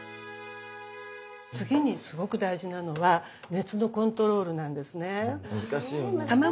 次にすごく大事なのは熱のコントロールなんですね。